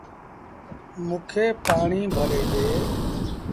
موݩ کي پآڻيٚ ڀري ڏي۔